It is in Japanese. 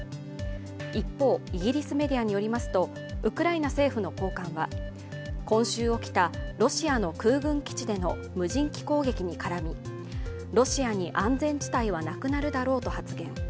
一方、イギリスメディアによりますとウクライナ政府の高官は今週起きたロシアの空軍基地での無人機攻撃に絡みロシアに安全地帯はなくなるだろうと発言。